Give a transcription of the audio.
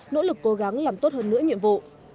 nỗ lực cố gắng làm tốt hơn nữa nhiệm vụ